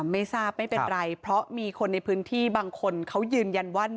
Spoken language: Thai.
ไม่ทราบไม่เป็นไรเพราะมีคนในพื้นที่บางคนเขายืนยันว่า